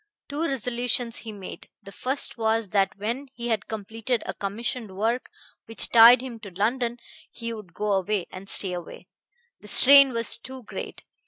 Two resolutions he made. The first was that when he had completed a commissioned work which tied him to London he would go away, and stay away. The strain was too great.